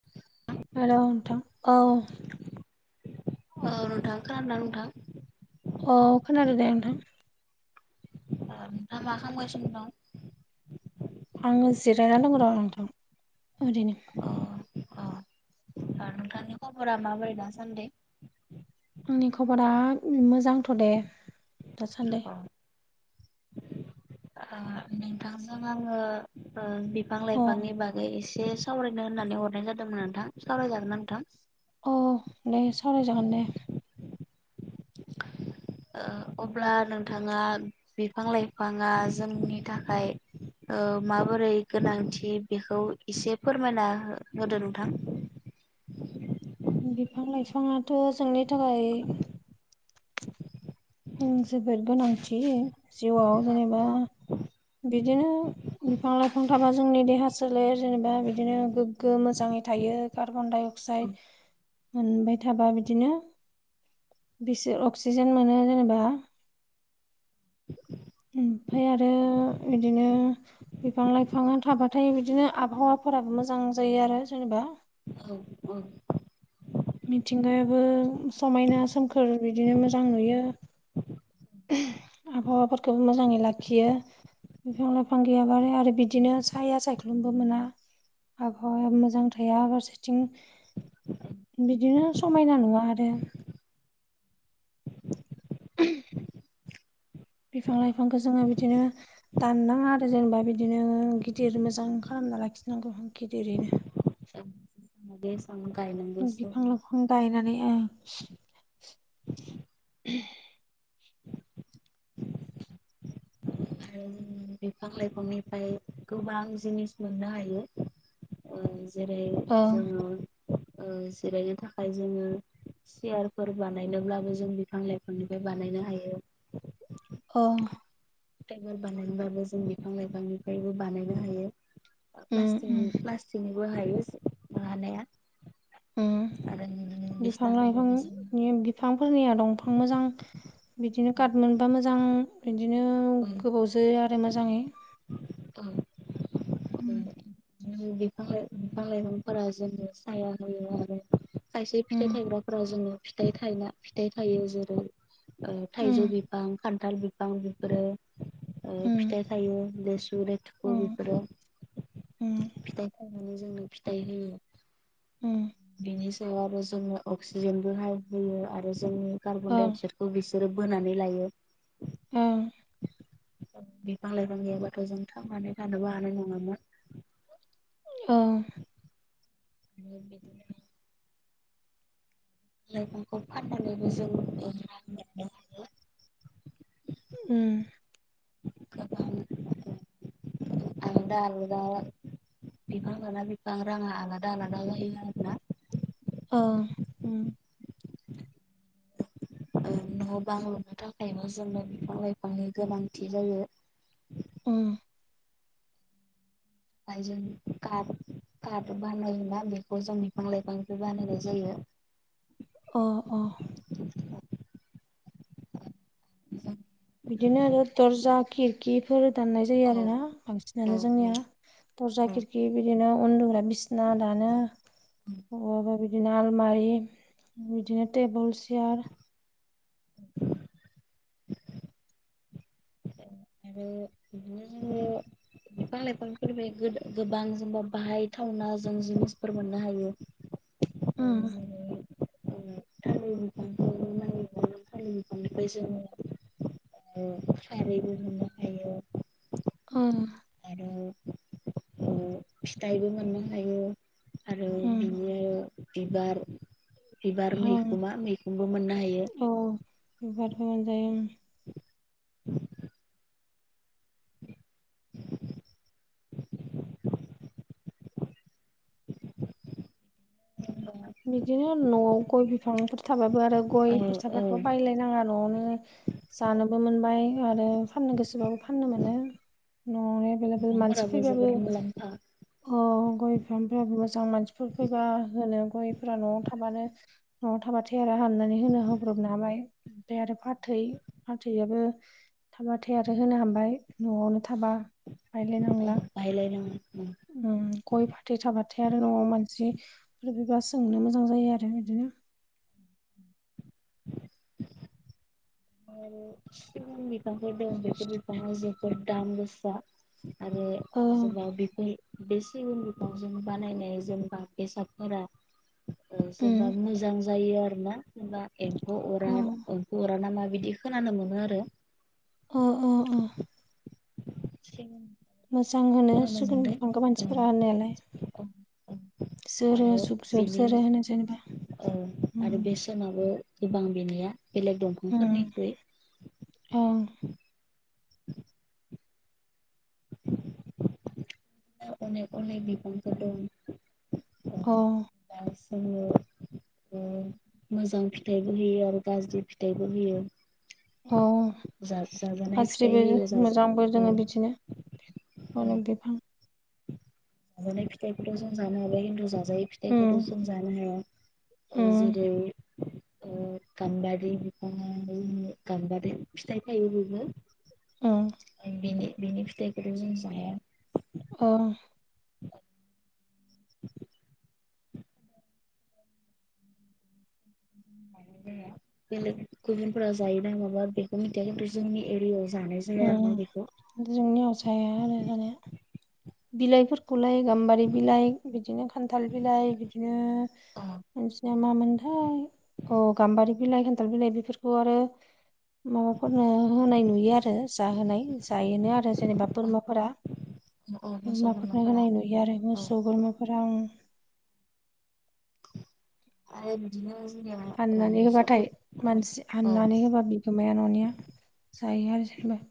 [unintelligible] Hello नोंथांऔ औ नोंथां खोनादोना नोंथां अह खोनादोदे नोंथां नोंथा मा खामगासिनो दं आङो जिरायनानै दङ र' नोंथां ओरैनो अ नोंथांनि खबरा माबोरै दासान्दै आंनि खबरा मोजांथ' दे दासान्दि अह ओ नोंथांजों आङो ओ बिफां अ लाइफांनि बागै एसे सावरायनो होननानै हरनाय जादोंमोन नोंथां सावरायजागोनना नोंथां। अह दे सावराय जागोन दे। [inaudible] ओ अब्ला नोंथाङा बिफां लाइफाङा जोंनि थाखाय ओ माबोरै गोनांथि बेखौ इसे फोरमायना होदो नोंथां बिफां लाइफाङाथ' जोंनि थाखाय जोबोद गोनांथि जिउआव औ जेनेबा बिदिनो बिफां लाइफां थाबा जोंनि देहा सोलेर जेनेबा बिदिनो गोग्गो मोजाङै थायो कार्बन डाइ अक्साइड मोनबाय थाबा बिदिनो बिसोर अक्सिजेन मोनो जेनेबा [inaudible] ओमफाय आरो इदिनो बिफां लाइफाङा थाबाथाय बिदिनो आबहावाफोराबो मोजां जायो आरो जेनेबा ओम ओम मिथिंगायाबो समायना सोमखोर बिदिनो मोजां नुयो आबहावाफोरखौबो मोजाङै लाखियो बिफां लाइफां गैयाबा आरो आरो बिदिनो साया सायख्लुमबो मोना आबहावाया मोजां थाया फारसेथिं। बिदिनो समायना नुवा आरो [unintelligible] बिफां लाइफांखो जोङो बिदिनो दाननाङा आरो जेनेबा बिदिनो गिदिर मोजां खालामना लाखिनांगौ गिदिरैनो। ज दे आं गायनो बिफां लाइफां गायनानैं ओं आरो बिफां लाइफांनिफ्राय गोबां जिनिस मोननो हायो। ओ-जेरै ओं जोंङो ओ-जिरायनो थाखाय जोंङो सियारफोर बानायनोब्लाबो जों बिफां लाइफांनिफाय बानायनो हायो। अ। टेबोल बानायनोबाबो जों बिफां लाइफांनिफ्रायबो बानायनो हायो। उम उम प्लास्टक प्लास्टिकनिबो हायो हानाया। उम आरो बिदिनो बिफां बिसनाफोरखौबो जों लाइफांनि बि फांफोरनिया दंफां मोजां बिदिनो खाथ मोनबा मोजां बिदिनो गोबावजो आरो मोजाङै। औ उम उम फां बिफां लाइफांफोरा जोङो साया होयो आरो खायसे उम फिथाइ थायग्राफोरा जोङो। फिथाइ थायना फिथाइ थायो जेरै थाइजौ उम बिफां खान्थाल बिफां बेफोरो। ओ उम फिथाइ थायो लेसु लेथुखु उम बेफोरो उम फिथ फंनानै जोंनो फिथाइ होयो। उम बेनि सायाव आरो जोङो अक्सिजेनबो हाय होयो आरो जोंनि कार्बन डाइ ओं अक्साइद। बो बिसोरो बोनानै लायो। ओं बिफां लाइफां गायाबाथ जों थांनानै थानोबो हानाय नङामोन। ओं बियो बिदिनो मैगंखौ फाननानैबो जोंनि रां मोननो हायो। उम [unintelligible] आलदा आलदा बिफां लाना बिफां राङा आलादा आलादा जायो आरोना। ओ उम न बां लुनो थाखायबो जोंनो बिफां लाइफांनि गोनांथि जायो। अ माय जों कार कार बानायोना बेखौ जों बिफां लाइफांनिफ्राय बानायनाय जायो। अ अ बिदिनो आरो दरजा खिरखिफोर दाननाय जायो औ आरो ना औ बांसिनानो जोंनिया। दरजा औ खिरखि बिदिनो उन्दुग्रा बिसिना दानो बबावबा बि बिदिनो आलमारि बिदिनो टेबोल सियार [inaudible] आरो बिदिनो जोङो बिफां लाइफांफोर बे गोबां जेनबा बाहायथावना जों जिनिसफोर मोननो हायो। उम जेरै थालिर बिफांखौ ननाय निफ्राय जोङो खारैबो मोनो। ओं आरो फिथाइबो मोननो हायो आरो बिनि बिबार बिबार ओम मैखुमा मैखुमबो मोननो हायो। औ [unintelligible] उ [inaudible] बिदिनो न'आव गय बिफांफोर थाबाबो आरो औ गयफोर औ थाबाथ' बायलाय नाङा न'आवनो जानोबो मोनबाय आरो फाननो गोसोबाबो फाननो मोनो। न'आवनो एभेलेबोेल मानसि बिफांफोराबो फैबाबो जोबोद मुलाम्फा अ गय [unintelligible] मोजां मानसिफोर फैबा होनो गयफ्रा न'आव थाबानो न'आव थाबाथाय आरो हाननानै होनो होब्रबनो हाबाय ओमफाय आरो फाथ थै फाथैयाबो थाबाथाय आरो होनो हाबाय न'आवनो थाबा बायलाय नांला। बायलाय नाङा उ। उम गय फाथै थाबाथाय आरो न'आव मानसिफोर फैबा सोंनो मोजां जायो आरो बिदिनो [inaudible] आरो सिगुन बिफांफोर दं बेफोर बिफाङा जोबोद दाम गोसा। आरो ओ जबा बेफोर बे सिगुन बिफांजों बानायनाय जेनबा बेसादफोरा ओ जेनबा उम मोजां जायो आरो ना जेनबा एम्फौ अरा अ एम्फौ अरा ना मा बिदि खोनानो मोनो आरो। अ अ। अ अ। [unintelligible] मोजां होनो खोनानो सिगुन मोनदों बिफांखौ मानसिफोरा होननायालाय। जोरो आरो जुग जुग बेनि जोरो होनो जेनेबा ओ आरो उम बे [unintelligible] गोबां बेनिया बेलेग दंफांफोरनिख्रुइ। आ द [inaudible] अनेक अनेक बिफांफोर दं। ओ अ [unintelligible] ओ मोजां फिथाइबो होयो आरो गाज्रि फिथाइबो होयो। अ जा-जाजानाय फिथाइ गाज्रिबो होयो जाजा मोजांबो ओ जोङो बिदिनो ओ अनेक बिफां [unintelligible] फिथाइखौथ' जों जानो हाबाय [unintelligible] जायै फिथाइखौथ' उम जों जानो हाया औ उम जेरै ओ गामबारि [unintelligible] गामबारि फिथाइ थाइयो बेबो। उम ओं बिनि बिनि फिथाइखोथ' जों जाया। अ [inaudible] [inaudible] बेलेग गुबुनफोरा जायोदां माबा बेखौ मिथिया खिन्थु जोंनि एरियायाव जानाय जाया आरो ना उम बेखौ। जोंनियाव जाया आरो जानाया। बिलाइफोरखौलाय गाम्बारि बिलाइ बिदिनो खान्थाल बिलाइ बिदिनो मानसिना मामोनथाय औ गाम्बारि बिलाइ खान्थाल बिलाइ बेफोरखौ आरो माबाफोरनो होनाय नुयो आरो जाहोनाय जायोनो आरो जेनेबा बोरमाफोरा। औ मोसौ बोरमाफोरनो बोरमाफोरा होनाय नुयो आरो औ मोसौ बोरमाफोरा ओ। आरो बिदिनो जेनेबा हाननानै होबाथाय मानसि हाननानै होबा बि अमाया न'निया जायो आरो जेखुनु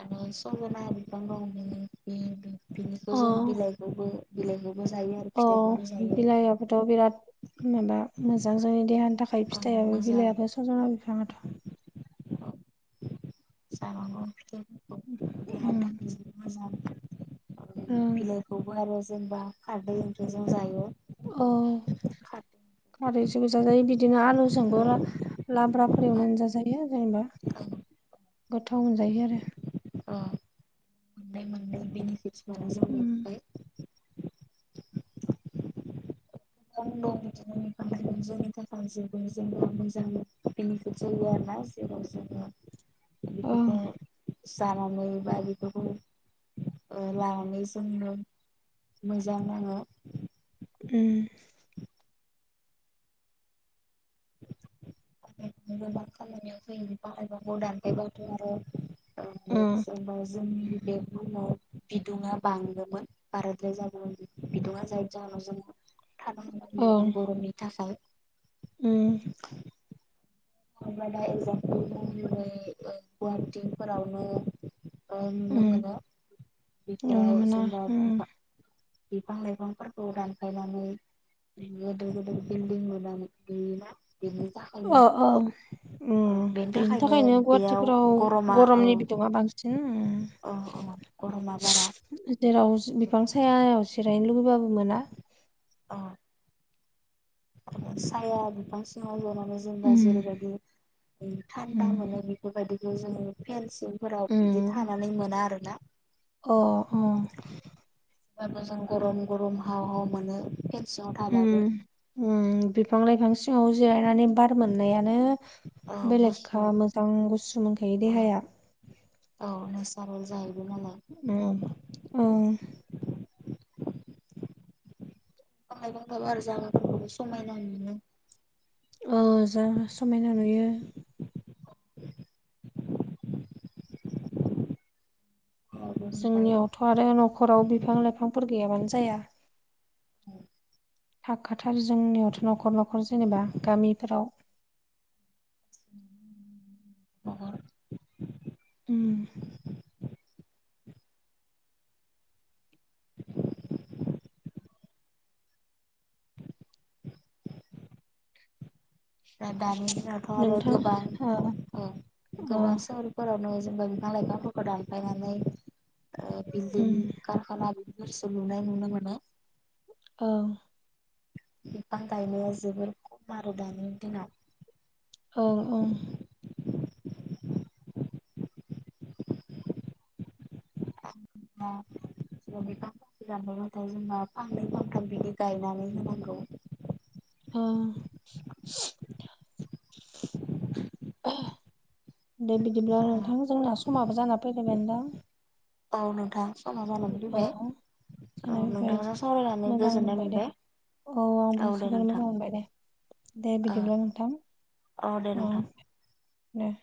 आरो संजना बिफां दं बे बि-बि-बिनिखौ जों बिलाइखौबो बिलाइखौबो जायो। आरो अ फिथाइखौबो जायो बिलायाबोथ' बिराद माबा मोजां जायो देहानि थाख खाय औ फिथायाबो मोजां बिलाइआबो सजना बिफाङाथ' जानांगौ फिथायफोरखौ देहानि उम थाखाय जि मोजां उम ओं बिलाइखौबो आरो जेनेबा खारदै ओंख्रिजों जायो। अ खारदै खारैजोंबो जाजायो बिदिनो आलुजोंबो ला औ लाब्राफोर एवनानै जाजायो आरो जेनेबा औ गोथाव मोनजायो आरो। मोननाय मोननै बिनिफिटसफोरा उम जाबाय आं दं बिदिनो फांनाय जोंनि थाखाय जेबो जेंना मोजां बेनिफिट जायो आरो ना जेराव जोंङो ओं बेफोरखौ जानानै बा बेफोरखौ ओ लानानै जोङो मोजां नाङो। उम बेजोंबा मा खामानियाव फैयो बिफां लाइफांखौ दानफायबाथ' आरो ओ बे उम जेनबा जोंनि बे बुमाव बिदुङा बांदोंमोन बाराद्राय जागौमोन बि-बिदुंया जायनि जाहोनाव जों थानो हानाय ओं नङामोन गरमनि थाखाय। उम। होमबा दा एक्जामपोल जों जेरै ओ गुवाहाटिफोरावनो ओ नुनो उम मोनो नुनो बेफोराव मोना जेनबा उम बिफा बिफां लाइफांफोरखौ दानफायनानै उम गोदोर गोदोर बिलदिं लुनानै बोयोना बेनि ओ थाखायनो औ। ओ उम बेनि बिनि थाखायनो बेयाव गुवाहाटिफोराव गरमा गरमनि बिदुङा बांसिन उम अ अ गरमा बारा। जेराव बिफां सायायाव जिरायनो लुबैबाबो मोना। अ। साया बिफां सिङाव जनानै जेनेबा उम जेरैबायदि उम थान्दा उम मोनो बेफोरबायदिखौ जोङो फेनसिंफोराव बिदि उम थानानै मोना आरोना। [inaudible] अ' अ' ब्लाबो जों गरम गरम हाव हाव मोनो फेन सिङाव थाबाबो। उम उम बिफां लाइफां सिङाव जिरायनानै बार मोननायानो औ गुसु बेलेगखा मोजां गुसु मोनखायो औ देहाया। औ नेसारेल जाहैबाय नालाय ‌। उम उम फां लाइफां थाबा आरो जागाफोरखौबो समायना नुयो। ओ जागा समायना नुयो। ओमफ्राय जोंनियावथ' आरो न'खराव बिफां लाइफांफोर गैयाबानो जाया। [inaudible] थाखाथारो जोंनियावथ' न'खर न'खर जेनेबा गामिफोराव [unintelligible] उम दा-दानि दिनावथ' आरो नोंथां गोबां ओ औ अ गोबां सोहोर फोरावनो जेनेबा बिफां लाइफांफोरखौ दानफायनानै बिल्दिं उम कारखाना बिफोरसो लुनाय नुनो मोनो। ओं बिफां गायनाया जोबोर खम आरो दानि दिनाव औ ओं [inaudible] जों बिफां फांसे दानफायबाथाय जेनेबा फांनै फांथाम बिदि गायनानै होनांगौ। ओं [inaudible] दे बिदिब्ला ओ नोंथां जोंना समाबो जाना फैबाय [unintelligible] अ' नोंथां समा जानानै औ फैबाय औ [unintelligible] नोंथांजों सावरायनानै मोजां गोजोननाय मोनबाय दे औ आंबो दे जोबोद नोंथां मोजां मोनबाय दे दे औ बिदिब्ला नोंथां औ दे नोंथां। ओं दे